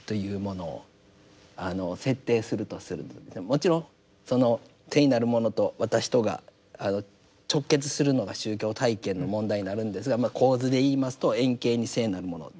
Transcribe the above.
もちろんその聖なるものと私とが直結するのが宗教体験の問題になるんですが構図で言いますと遠景に聖なるもの。